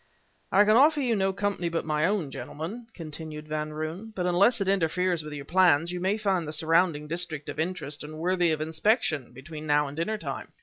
"I can offer you no company but my own, gentlemen," continued Van Roon, "but unless it interferes with your plans, you may find the surrounding district of interest and worthy of inspection, between now and dinner time.